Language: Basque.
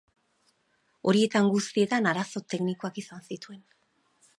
Horietan guztietan arazo teknikoak izan zituen.